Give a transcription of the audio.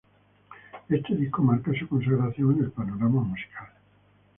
Este disco marca su consagración en el panorama musical.